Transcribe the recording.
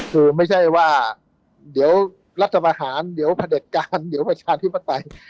คือไม่ใช่ว่าเดี๋ยวรัฐประหารเดี๋ยวพระเด็จการเดี๋ยวประชาธิปไตย